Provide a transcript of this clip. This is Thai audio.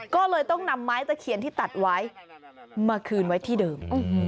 ก็เลยต้องนำไม้ตะเคียนที่ตัดไว้มาคืนไว้ที่เดิม